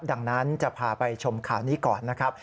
ดังนั้นจะพาไปชมข่าวนี้ก่อนนะครับ